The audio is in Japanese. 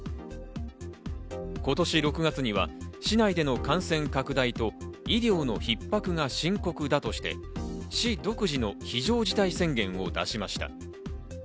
今年６月には市内での感染拡大と医療の逼迫が深刻だとして、市独自の非常事態宣言を出しました。